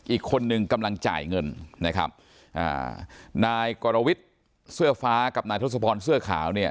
อีกคนนึงกำลังจ่ายเงินนะครับอ่านายกรวิทย์เสื้อฟ้ากับนายทศพรเสื้อขาวเนี่ย